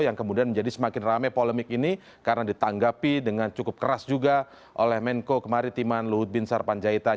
yang kemudian menjadi semakin rame polemik ini karena ditanggapi dengan cukup keras juga oleh menko kemaritiman luhut bin sarpanjaitan